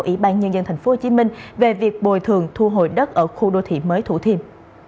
ủy ban nhân dân tp hcm về việc bồi thường thu hồi đất ở khu đô thị mới thủ thiêm